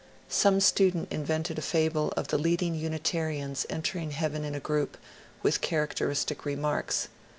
Some student invented a fable of the leading Unitarians en tering heaven in a group, with characteristic remarks.